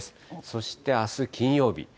そしてあす金曜日。